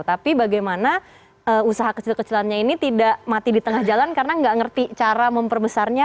tapi bagaimana usaha kecil kecilannya ini tidak mati di tengah jalan karena nggak ngerti cara memperbesarnya